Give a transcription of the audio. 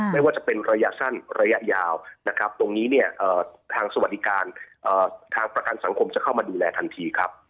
ไม่ว่าจะเป็นระยะสั้นระยะยาวนะครับตรงนี้เนี่ยทางสวัสดิการทางประกันสังคมจะเข้ามาดูแลทันทีครับ